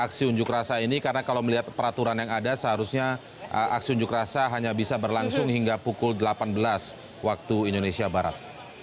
aksi unjuk rasa ini karena kalau melihat peraturan yang ada seharusnya aksi unjuk rasa hanya bisa berlangsung hingga pukul delapan belas waktu indonesia barat